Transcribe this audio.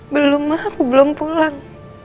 belum mah aku belum pulang